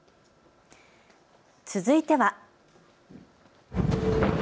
続いては。